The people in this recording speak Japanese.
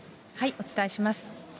お伝えします。